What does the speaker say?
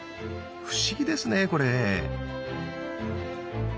不思議ですねこれ。